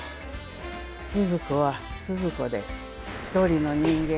鈴子は鈴子で一人の人間や。